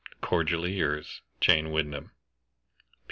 Cordially yours, "JANE WYNDHAM."